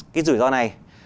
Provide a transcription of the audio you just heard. cái rủi ro này